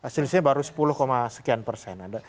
selisihnya baru sepuluh sekian persen